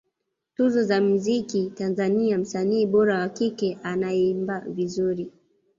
Tuzo za mziki Tanzania msanii bora wa kike anayeimba vizuri